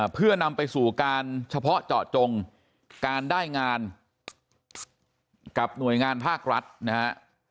เพื่อนำไปสู่การเฉพาะเจาะจงการได้งานกับหน่วยงานภาครัฐนะฮะ